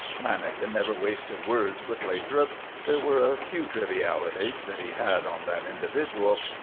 Lanagan never wasted words with Lathrop. There were a few trivialities that he "had" on that individual.